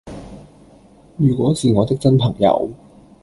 如果是我的真朋友